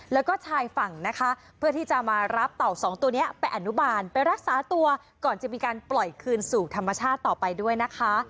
แล้วก็ชายฝั่งนะคะเพื่อที่จะมารับเต่าสองตัวนี้ไปอนุบาลไปรักษาตัวก่อนจะมีการปล่อยคืนสู่ธรรมชาติต่อไปด้วยนะคะ